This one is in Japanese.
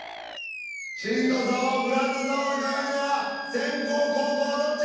真の座王グランド座王に輝くのは先攻後攻どっち？